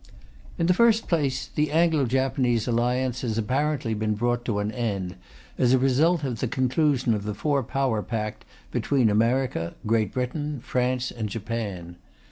In the first place, the Anglo Japanese Alliance has apparently been brought to an end, as a result of the conclusion of the Four Power Pact between America, Great Britain, France and Japan.